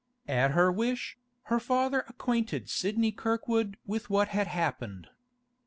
At her wish, her father acquainted Sidney Kirkwood with what had happened.